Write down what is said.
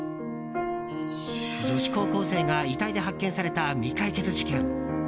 女子高校生が遺体で発見された未解決事件。